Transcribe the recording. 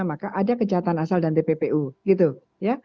maka ada kejahatan asal dan tppu gitu ya